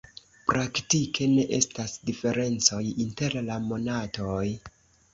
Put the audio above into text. Praktike ne estas diferencoj inter la monatoj.